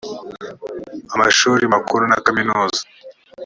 amashuri makuru na kaminuza.